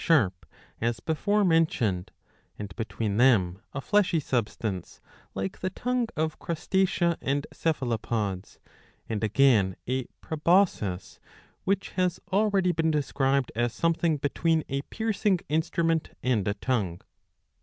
sharp, as before mentioned,^^ and between them a fleshy substance like the tongue of Crustacea and Cephalopods, and again a proboscis which has already been described as something between a piercing instrument and a tongue."